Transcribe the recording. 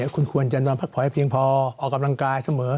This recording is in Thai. คุณควรจะนอนพักผ่อนให้เพียงพอออกกำลังกายเสมอ